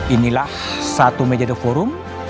inilah satu meja di forum